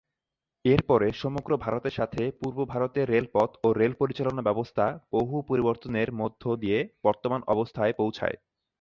এর পরে সমগ্র ভারতের সাথে পূর্ব ভারতের রেলপথ ও রেল পরিচালনা ব্যবস্থা বহু পরিবর্তনের মধ্যদিয়ে বর্তমান অবস্থায় পৌঁছায়।